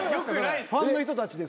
ファンの人たちですか？